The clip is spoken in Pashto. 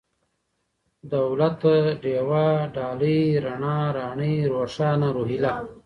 دولته ، ډېوه ، ډالۍ ، رڼا ، راڼۍ ، روښانه ، روهيله